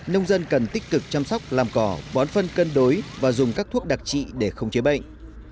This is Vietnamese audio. nông dân cần tích cực chăm sóc làm cỏ bón phân cân đối và dùng các thuốc đặc trị để khống chế bệnh